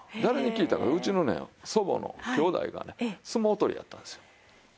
誰に聞いたかうちのね祖母の兄弟がね相撲取りやったんですよ。